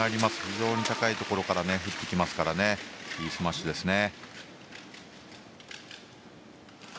非常に高いところから打ってきますからいいスマッシュでしたね。